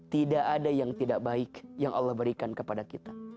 tidak ada yang tidak baik yang allah berikan kepada kita